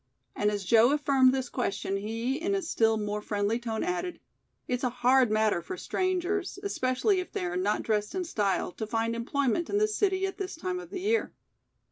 And as Joe affirmed this question he in a still more friendly tone added: "It's a hard matter for strangers, expecially if they are not dressed in style, to find employment in this city at this time of the year."